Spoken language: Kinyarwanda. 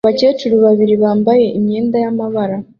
Abakecuru babiri bambaye imyenda y'amabara